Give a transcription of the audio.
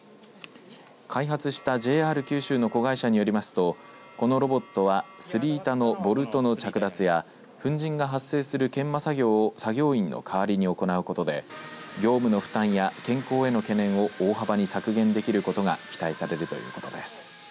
開発したＪＲ九州の子会社によりますとこのロボットはスリ板のボルトの着脱や粉じんが発生する研磨作業を作業員の代わりに行うことで業務の負担や健康への懸念を大幅に削減できることが期待されるということです。